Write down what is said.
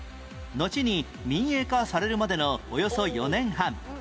のちに民営化されるまでのおよそ４年半